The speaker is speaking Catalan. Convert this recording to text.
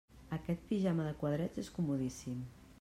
Aquest pijama de quadrets és comodíssim.